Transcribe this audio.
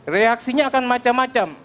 reaksinya akan macam macam